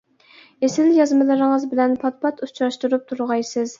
ئېسىل يازمىلىرىڭىز بىلەن پات پات ئۇچراشتۇرۇپ تۇرغايسىز.